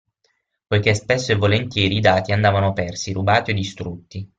Poiché spesso e volentieri i dati andavano persi, rubati o distrutti.